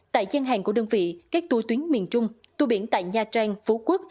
tại gian hàng của đơn vị các tour tuyến miền trung tour biển tại nha trang phú quốc